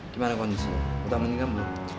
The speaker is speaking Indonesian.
gimana kondisi kau tamat tinggal belum